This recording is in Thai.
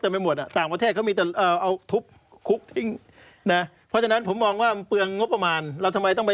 ผมว่าต้องประหารจริง